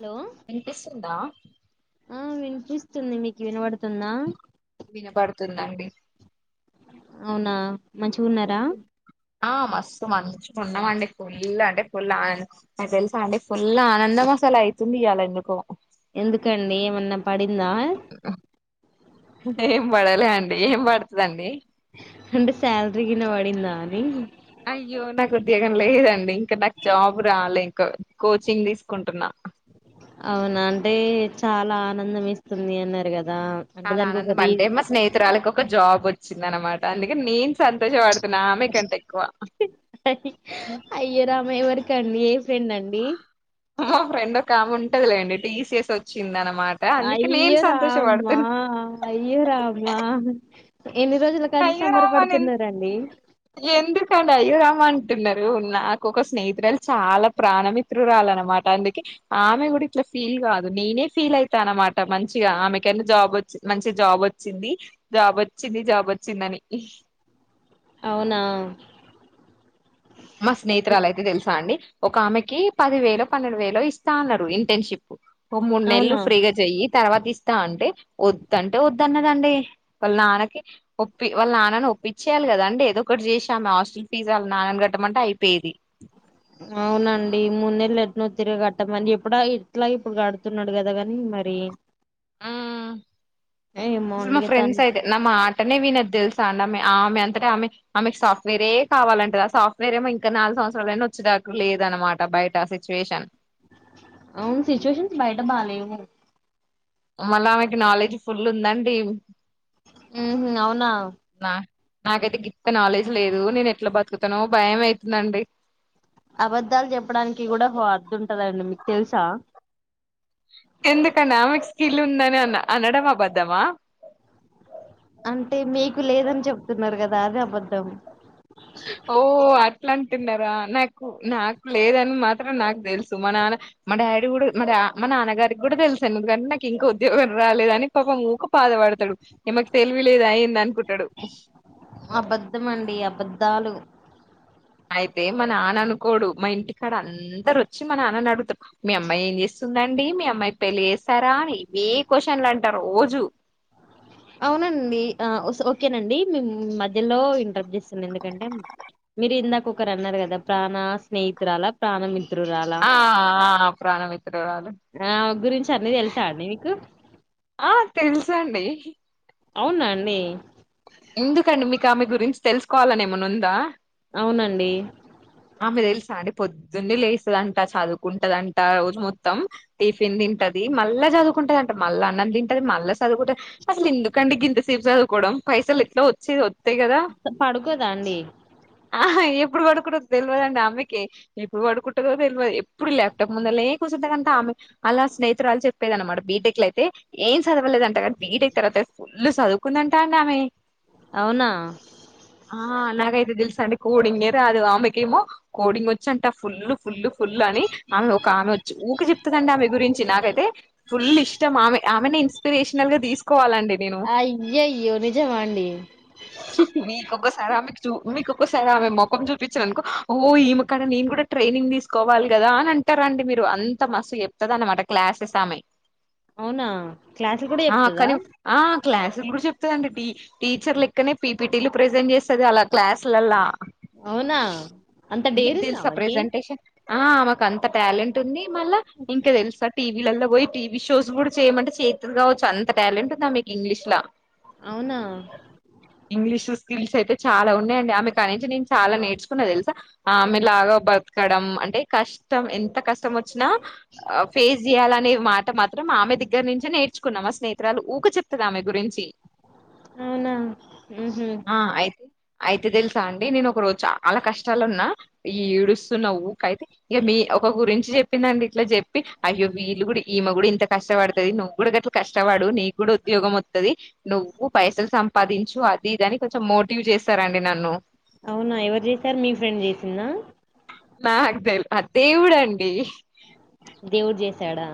Hello వినిపిస్తుందా ఆ వినిపిస్తుంది మీకు వినబడుతుందా వినపడుతుందండి అవునా మంచిగా ఉన్నారా ఆ మస్త్ మంచిగా ఉన్నామండి ఫుల్ అంటే ఫుల్ ఆన్ నీకు తెలుసా అంటే ఫుల్ ఆనందం అసలు అయితుంది ఇయాలా ఎందుకో ఎందుకండి ఏమన్నా పడిందా ఏం పడలే అండి ఏం పడుతదండి అంటే శాలరీ గిన పడిందా అని అయ్యో నాకు ఉద్యోగం లేదండి ఇంకా నాకు జాబ్ రాలే ఇంకా కోచింగ్ తీసుకుంటున్నా అవునా అంటే చాలా ఆనందం ఎస్తుంది అన్నారు కదా అంటే చాలా దానికి ఒక ఆనందం రీ మంటే మాస్ స్నేహితురాలకు ఒక జాబ్ వచ్చింది అన్నమాట అందుకే నేను సంతోషపడుతున్న ఆమెకంటే ఎక్కువ అయ్యో రామ ఎవరికి అండి ఏ ఫ్రెండ్ అండి మా ఫ్రెండ్ ఒక ఆమె ఉంటదిలేండి టీసీఎస్ వచ్చింది అనమా అయ్యో రామా అయ్యో రామ్మా ఎన్ని రోజుల కాంచి అయ్యో సంబర రామ నేను పడుతున్నరండి ఎందుకండి అయ్యోరామ అంటున్నారు నాకు ఒక స్నేహితురాలు చాలా ప్రాణం ఇప్ హితురాలు అన్నమాట అందుకే ఆమె కూడా ఇట్లా ఫీల్ కాదు నేనే ఫీల్ అయితనా అనమాట మంచిగా ఆమెకే జాబ్ వచ్చి మంచి జాబ్ వచ్చింది జోబొవ్చింది జాబ్ వచ్చిందని అవునా మా స్నేహితురాలు అయితే తెలుసా అండి ఒక ఆమెకి పది వేలు పన్నెండు వేలు ఇస్తా అన్నారు ఇంటర్న్షిప్ ఒక మూడు నెలలు అవునా ఫ్రీగా చెయ్యి తర్వాత ఇస్తా అంటే వద్దు అంటే వద్దున్నదండి వాళ్ళ నాన్నకి ఒప్పి వాళ్ళ నాన్న ఒప్పించేయాలి కదా అండి ఏదోఒకటి చేసి అమే హస్టల్ ఫీజ్ వాళ్ళ నాన్న గ ఏమంటా అయిపోయేది అవునండి మూడు నెలలు ఎట్నో తిర కట్టమని ఎప్పుడ ఇట్లా ఇప్పుడు గడుతున్నాడు కదా కానీ మరి ఇ ఆ ఏమో ఆ అండి మా ఇగ తను ఫ్రెండ్స్ అయితే నా మాటనే వినది తెలుసా అనమే ఆమె ఆమె అంతటే ఆమె ఆమెకు సాఫ్ట్వేరే కావాలంటది ఆ సాఫ్ట్వేర్ ఏమో ఇంకా నాలుగు సంవత్సరాలైనా వచ్చేటట్టు లేదనమాట బయట అస సిట్యుయేషన్ అవును సిచ్యువేషన్స్ బయట బాలేవు మళ్ళ ఆమెకి నాలెడ్జ్ ఫుల్ ఉందండి ఉహు అవునా నా నాకైతే గిత్త నాలెడ్జ్ లేదు నేను ఎట్లా బతుకుతానో భయం అయితుంది అండి అబద్ధాలు చెప్పడానికి కూడా ఒక హాద్దు ఉంటది అండి మీకు తెలుసా ఎందుకనీ ఆమెకు స్కిల్ ఉందని అన్న అనడం అబద్దమా అంటే మీకు లేదని చెప్తున్నారు కద అది అబద్ధం ఓ అట్లాంటున్నార నాకు నాకు లేదని మాత్రం నాకు తెలుసు మ నాన్న మా డాడీ కూడ మ మా నాన్నగారికి కూడా తెలుసానుందుకని నాకు ఇంకా ఉద్యోగం రాలేదని పాప ఊకు బాధపడతాడు ఏమకు తెలివి లేద ఏంది అనుకుంటాడు అబద్ధం అండి అబద్ధాలు అయితే మా నాన్న అనుకోడు మా ఇంటికాడ అందరొచ్చి మన నాన్నని అడుగుత మీ అమ్మాయి ఏం చేస్తుందండి మీ అమ్మాయికి పెళ్లి చేస్తార అని ఇవే క్వశ్చన్లు అంటా రోజు అవునండి ఓకేనండి మేము మధ్యలో ఇంటర్ప్ట్ చేస్తుం ఎందుకంటే మీరు ఇందాక ఒకరు అన్నారు కద ప్రాణ స్నేహితురాల ప్రాణ మి త్రురాల ఆ ఆ ప్రాణమిత్రురాలు ఆమ గురించి అన్ని తెలుసా అండి మీకు ఆ తెలుసండి అవున అండి ఎందుకండి మీకు ఆమె గురించి తెలుసుకోవాలని ఏమన్నా ఉందా అవునండి ఆమెద తెలుస అండి పొద్దునే లేస్తుదంట చదువుకుంటదంట రోజు మొత్తం టిఫిన్ తింటది మళ్ళా చదువుకుంటది అంట మళ్ళ అన్నం తింటది మళ్ళా చదువు అస్సలు ఎందుకండీ గింత సేపు సాదువుకోవడం పైసలు ఎట్ల వచ్చి వస్తాయ్ కదా పడుకోదా అండి ఆ ఎప్పుడు [unintelligible] తెలవదండి ఆమెకి ఎప్పుడు పడుకుంటదో తెలవదు ఎప్పుడు ల్యాప్టాప్ ముందనే ఏ కూర్చుదు కంటే ఆమె అలా స్నేహితురాలు చెప్పేది అన్నమాట బీటెక్ల అయితే ఏం చదవలేదంటగా బిటెక్ తర్వాత ఫుల్లు చదువుకుందంట అండి ఆమె అవునా ఆ నాకైతే తెల్సండి కోడింగే రాదు ఆమెకేమో కోడింగ్ వచ్చ అంట ఫుల్ ఫుల్ ఫుల్ అని ఆమె ఒక ఆమె వచ్చి ఊకే చెప్తదండి ఆమె గురించి నాకైతే ఫుల్ ఇష్టం ఆమె ఆమెనే ఇన్స్పిరేషనల్గా తీసుకోవాలండి నేను అయ్యయో నిజామా అండి [unintelligible] క్కక్కసారి ఆమెకు చ మీకొక్కసారి ఆమె మొఖం చూపించానుకో ఓహో ఈక్కడ నేను కూడా ట్రైనింగ్ తీసుకోవాలి కదా అని అంటారండి మీరు అంత మస్త్ చెప్తద అనమాట క్లాసెస్ ఆమె అవునా క్లాసులు కూడ ఆ చెప్తుద కానీ ఆ క్లసులు కూడ [unintelligible] చెప్తది అండి టీచర్ లక్కనే పీపీటీలు ప్రజెంట్ చేస్తది అలా క్లాస్లలా అవునా అంత మీకు డేర్ ఉందా తెల్స ఆమెకి ప్రెజెంటేషన్ ఆ ఆమెకు అంత టాలెంట్ ఉంది మళ్ళా ఇంక తెలుసా టీ వీళ్లల్లో పోయి టీవీ షోస్ కూడా చేయమంటే చేతులు కావచ్చు అంత టాలెంట్ ఉందా మీకు ఇంగ్లీష్ లా అవునా ఇంగ్లీష్ స్కిల్స్ అయితే చాల ఉన్నాయండి ఆమె కాని ను నేను చాల నేర్చ తెలుసా ఆమెలాగ బతకడం అంటే కష్టం ఎంత క [unintelligible] ఫేస్ చేయాలనే మాట మాత్రం ఆమె దగ్గర్నుంచే నే ర్చుకున్నా మా స్నేహితురాలు ఊకె చెప్పుతది ఆమె గురించి అవున ఉహు ఆ అయితే అయితే తెల్సా అండి నేను ఒక రోజు చాలా కష్టాల్లో ఉన్నా ఈ ఏడుస్తున్న ఊకే [unintelligible] ఇక మీ ఒక గురించి చెప్పిందండి ఇట్లా చెప్పి అయ్యో వీళ్ళు కూడ ఈమె కూడ ఇంత కష్టపడ్తది నువ్వు కూడ గట్ల కష్టపడు నీగ్గూడా ఉద్యోగం ఒత్తది నువ్వు పైసల్ సంపాదించు అది ఇది అని కొంచం మోటివ్ చేసారండి నన్ను ఔనా ఎవరు చేసారు మీ ఫ్రెండ్ చేసిందా నాక్ తెల్ ఆ దేవుడండి దేవుడు చేసాడా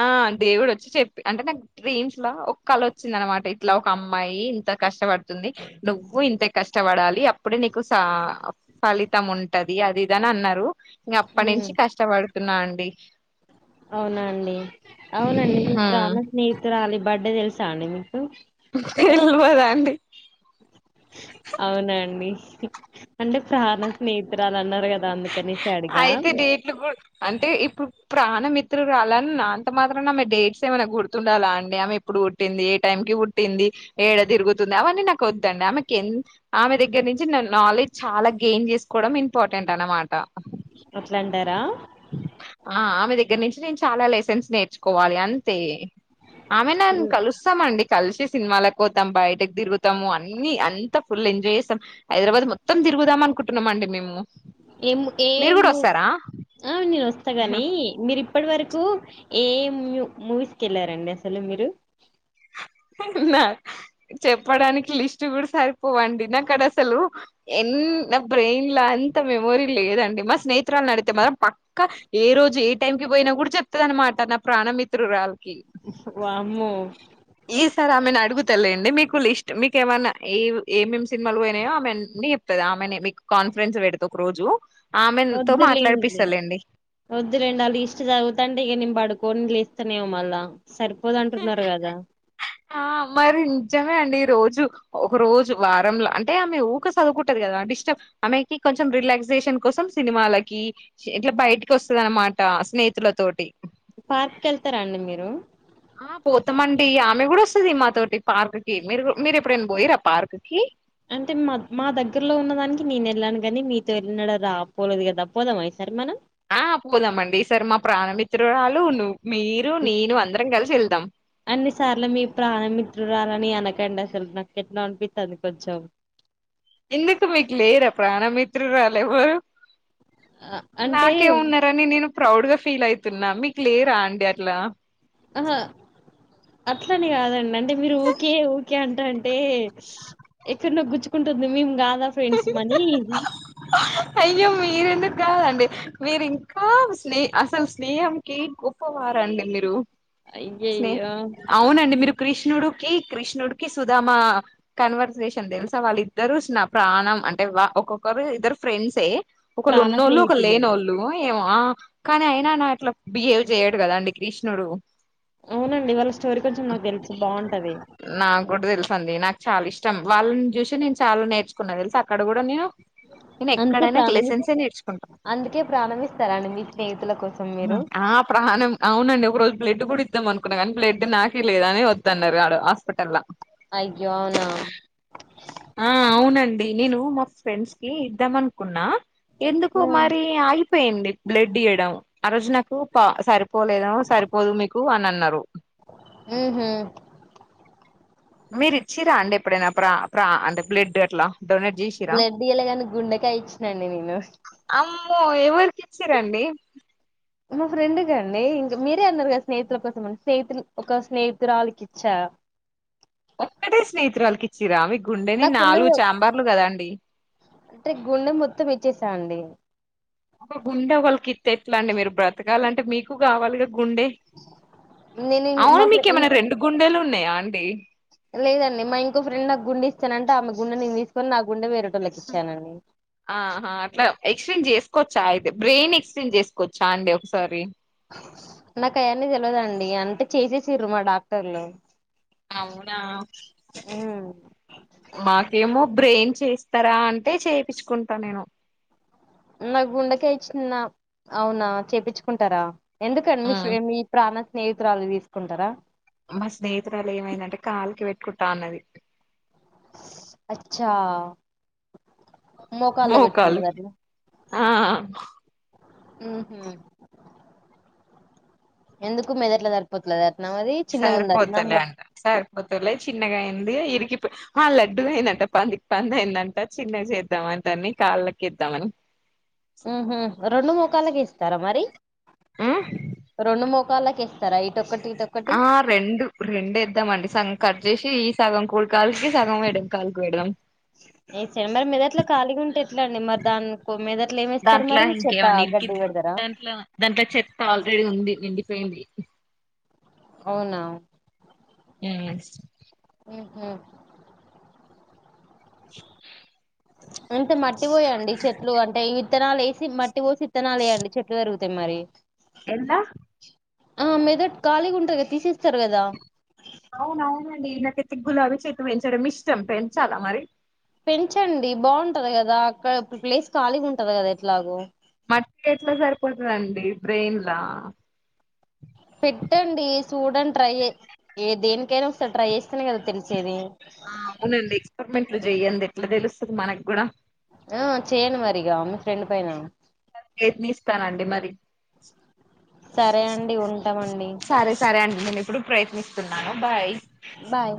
ఆ దేవుడొచ్చి చెప్పి అంటే నాకు డ్రీమ్స్ లో ఒక కలొచ్చింది అనమాట ఇట్లా ఒక అమ్మాయి ఇంత కష్టపడుతుంది నువ్వు ఇంతే కష్టపడాలి అప్పుడే నీకు సా ఫలితం ఉంటది అది ఇదని అన్నారు ఇక అప్పటి నుంచి కష్టపడుతున్నా అండి ఔనాండి ఔనండి మీ హ్మ్. ప్రాణ స్నేహితురాలి బర్డే తెల్సా అండి మీకు తెల్వదండి ఔనండి అంటే ప్రాణ స్నేహితురాలన్నారు కదా అందుకని అయితే డేట్లు గు అంటే ఇప్పుడు ప్రాణ మిత్రురాలన్న అంత మాత్రమే ఆమె డేట్స్ ఏమైనా గుర్తుండాలా అండి ఆమె ఎ ప్పుడు పుట్టింది ఏ టైం కి పుట్టింది ఏడ తిరుగుతుంది అవన్నీ నాకొద్దండి ఆమెకెం ఆమె దగ్గర్నించి నా నాలెడ్జ్ చాలా గేన్ చేస్కోడం ఇంపార్టెంట్ అనమా అట్లంటారా ఆ ఆమె దగ్గర్నించి నేను చాలా లెసెన్స్ నేర్చుకోవాలి అంతే ఆమె నన్ కలుస్ సం అండి కల్సి సినిమాలక్పోతాం బైటిక్ తిరుగుతము అన్ని అంత ఫుల్ ఎంజాయ్ చేస్తాం హైద్రాబాద్ మొత్తం తిరుగుదాం అనుకుంటున్నామండి మేము ఇమ్మ మీరు కూడా కేము వస్తారా ఆ నేనొస్తా గాని మీరి ఇప్పటివరకు ఏం మూవీస్కెళ్ళారండి అసలు మీరు నా చెప్పడానికి లిస్ట్ కూడా సరిపోవండి నాక డస్సలూ ఎన్ నా బ్రెయిన్ లో అంత మెమోరీ లేదండి మా స్నేహితురాలు నడిగితే మాత్రం పక్ క ఏ రోజు ఏ టైం కి పోయినా కూడా చెప్తదనమాట నా ప్రాణమిత్రురాల్కి వామ్మో ఈ సారి ఆమెనడుగుతలేండి మీకు లిస్ట్ మీకు ఏమన్న ఏ ఏమేమి సినిమాల్పోనయో ఆమె అన్నీ చెప్ తది ఆమెనే మీకు కాన్ఫరెన్స్ పెడ్త ఒక రోజు ఆమె తో మాట్లాడ్పిస్తాలేండి ఒద్దులేండి ఆ లీష్ట్ చదువ్ తాంటే ఇగ నేను పడుకోనిలేత్తనేమో మళ్ళా సరిపోదంటున్నారు కదా ఆ మరి నిజమే అండి రోజు ఒక రోజు వారంలో అంటే ఆమె ఊక సదువ్కుంటది కదా డిస్టర్బ్ ఆమెకి కొంచెం రిలాక్సేషన్ కోసం సినిమాలకి ఇట్ల బైటికొస్తదన్మాట స్నేహితుల తోటి పార్క్ కి వెళ్తారా అండి మీరు ఆ పోతమండి ఆమె కూడా వస్తది మాతోటి పార్క్ కి మీరు మీరెప్పుడైనా పోయిరా పార్క్ కి అంటే మా మా దగ్గర్లో ఉన్నదానికి నేనెళ్ళాను కానీ మీతో ఎన్నడు రా పోలేదు కదా పోదామా ఈ సారి మనం ఆ పోదామండి ఈ సారి మా ప్రాణమిత్రురాలు ను మీరు నేను అందరం కల్సి వెళ్దాం అన్నిసార్లు మీ ప్రాణమిత్రురాలని అనకండి అస్సలు నాకెట్నో అన్పిత్తాంది కొంచం ఎందుకు మీకు లేరా ప్రాణమిత్రురాలెవరు ఆ, అంటే నాకే ఉన్నారని నేను ప్రౌడ్ గా ఫీలైతున్నా మీకు లేరా అండి అట్లా ఆహా అట్లని కాదండి అంటే మీరు ఊకే ఊకే అంటాంటే ఎక్కడ్నొ గుచ్చుకుంటుంది మేము కాదా ఫ్రెండ్స్ మనీ అయ్యో మీరు ఎందుకు కాదండీ మీరు ఇంకా స్నే అసలు స్నేహంకి గొప్పవారు అండి మీరు స్నే అయ్యయ్యో అవునండి మీరు కృష్ణుడికి కృష్ణుడికి సుధామా కన్వర్సేషన్ తెలుసా వాళ్ళ ఇద్దరు స్నా ప్రాణం అంటే వ ఒక్కొక్కరు ఇద్దరు ఫ్రెండ్సే ప్రాణ ఒకళ్ళున్నోళ్ళు స్నేహితులు ఒకళులేనోళ్ళు ఏమో ఆ కానీ అయినా నా అట్లా బిహేవ్ చెయడు కదా అండి కృష్ణుడు అవునండి వాళ్ళ స్టోరీ కొంచెం నాకు తెలుసు బాగుంటది నాకు గుడా తెలుసండి నాకు చాలా ఇష్టం వాళ్ళని చూసి నేను చాలా నేర్చుకున్నా తెలుసా అక్కడ గుడా నేను నేను అందుకే ఎక్కడైనా ప్రాణం ఇస్ లెసెన్సే నేర్చుకుంట అందుకే ప్రాణం ఇస్తారాండి మీ స్నేహితుల కోసం మీరు ఆ ప్రాణం అవునండి ఒక రోజు బ్లడ్ గుడా ఇద్దాం అనుకున్న గాని బ్లడ్ నాకే లేదు అని వద్దు అన్నరు ఆడ హాస్పిటల్ల అయ్యో అవునా ఆ అవునండి నేను మా ఫ్రెండ్స్ కి ఇద్దాం అనుకున్నా ఎందుకో మరి ఆగిపోయిండే బ్లడ్ ఇయ్యడం ఆ రోజు నాకు పా సరిపోలేదో సరిపోదు మీకు అని అన్నరు ఉహు మీరు ఇచ్చిరాండి ఎప్పుడైనా ప్ర ప్ర అంటే బ్లడ్ అట్లా డొనేట్ చేసిరా బ్లడ్ ఇయ్యాలే గాని గుండెకాయ ఇచ్చినండి నేను అమ్మో ఎవరికి ఇచ్చిరండి మా ఫ్రెండ్ కి అండి ఇంకా మీరే అన్నరు గదా స్నేహితుల కోసం స్నేహితులు ఒక స్నేహితురాలికి ఇచ్చా ఒక్కతే స్నేహితురాల్కి ఇచ్చిరా మీ గుండెని నాలుగు నాకున్నది చాంబార్లు గదా అండి అంటే గుండె మొత్తం ఇచ్చేసాండి ఒకల్ గుండె ఒకల్కి ఇత్తే ఎట్లా అండి మీరు బ్రతకాల అంటే మీకు కావాలిగా గుండె నేను ఇం అవును మా ఫ్రె మీకు ఇం ఎమన్న రెండు గుండెలు ఉన్నాయా అండి లేదండి మా ఇంకో ఫ్రెండ్ ఆ గుండె ఇస్తానంటే ఆమె గుండె నేను తీసుకొని నా గుండె వేరే టోళ్ళకి ఇచ్చానండి ఆహా అట్లా ఎక్స్ట్రేంజ్ చేసుకోవచ్చా అయితే బ్రెయిన్ ఎక్స్ట్రేంజ్ చేసుకోవచ్చా అండి ఒకసారి నాకు ఆయన్ని తెల్వదు అండి అంటే చేసేసిర్రు మా డాక్టర్లు అవునా హ్మ్ మాకేమో బ్రెయిన్ చేస్తారా అంటే చేపిచ్చుకుంట నేను నా గుండెకాయ్ ఇచ్చిన అవునా చేపిచ్చుకుంటారా ఎందుకు అండి మీ ఉమ్, ఫ్రె మీ ప్రాణ స్నేహితురాల్ది తీసుకుంటరా మా స్నేహితురాలు ఏమైన అంటే కాలుకి పెట్టుకుంటా అన్నది అచ్చా మోకాళ్ళ మోకాల్ పెట్టుకుంటదటనా ఆ ఉహు ఎందుకు మేధాట్ల సరిపోతలేదు అట్నా మరి చిన్నగుంది అట్నా మో సరిపోతలేదు చిన్నగా అయ్యింది ఇరుకిపోయ్ ఆ లడ్డూగయిందంట పందికి పంది అయిందంట చిన్నగ చేద్దాం అంతాన్ని కాళ్ళ కెద్దామని ఊహు రెండు మోకాలకి ఇస్తారా మరి రెండు మో కాళ్ళకేస్తారా ఇటు ఒకటి ఇటు ఒక ఆ రెండు రెండు ఎద్దామండి సగం కట్చేసి ఈ సగం కూడి కాలుకి సగం ఎడమ్ కాలుకి పెడ్దాం ఏం చెమ్డల్ మరి మెదట్లా కలిగా ఉంటే ఎట్ల అండి మరి దాన్కు మెదట్ల ఏమెస్తారు దాంట్లో మరి చెప్ త గడ్డి పెడతరా దాన్కి ఆ చెప్ ఆల్రెడీ ఉంది నిండిపోయింది అవునా హ్మ్ హ్మ్ హ ఇంత మట్టి పోయండి చెట్లు అంటే విత్తనాలు వేసి మట్టి పోసి విత్తనాలు వేయండి చెట్లు పేరుగ్ తే మరి ఎల్ల ఆ మీతోట్ ఖాళీగా ఉంటది కదా తీసేస్తారు కదా అవునువును అండీ నాకైతే గులాబీ చెట్లు పెంచడం ఇష్టం పెంచాలా మరి పెంచండి బాగుంటది కదా అక్కడ ప్లేస్ ఖాళీగా ఉంటది కదా ఎట్లాగో మట్టి ఎట్లా సరిపోతదండి బ్రెయిన్ లా పెట్టండి సుడన్ ట్రై యే ఏ దేనికైనా ఒకసారి ట్రై చేస్తానే కదా తెలిసేది ఆ అవునండి ఎక్స్పెరిమెంట్లు చెయ్యండి ఎట్లా తెలుస్తది మనకు కూడా ఆ చేయండి మరి ఇగ మీ ఫ్రెండ్ పైన యత్నిస్తానండి మరి సరే అండి ఉంటామండి సరే సరే అండి నేను ఇప్పుడు ప్రయత్నిస్తున్నాను బాయ్ బాయ్